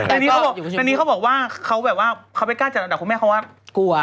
อันนี้เขาบอกว่าเขาไม่กล้าจากอันดับคุณแม่เขาว่า